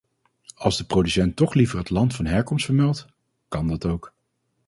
Als de producent toch liever het land van herkomst vermeldt, kan dat ook.